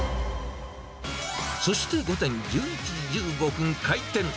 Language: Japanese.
そして午前１１時１５分、開店。